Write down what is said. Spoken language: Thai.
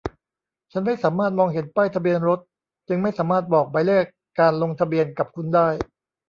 ฉันไม่สามารถมองเห็นป้ายทะเบียนรถจึงไม่สามารถบอกหมายเลขการลงทะเบียนกับคุณได้